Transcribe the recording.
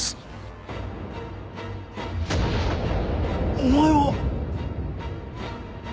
お前は。